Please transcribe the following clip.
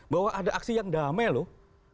bahwa ada aksi yang damai loh